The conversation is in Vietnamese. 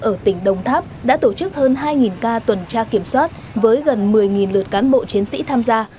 ở tỉnh đồng tháp đã tổ chức hơn hai ca tuần tra kiểm soát với gần một mươi lượt cán bộ chiến sĩ tham gia